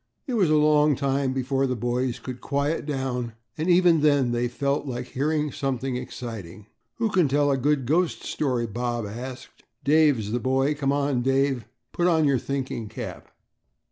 It was a long time before the boys could quiet down and even then they felt like hearing something exciting. "Who can tell a good ghost story?" Bob asked. "Dave's the boy. Come on, Dave, put on your thinking cap."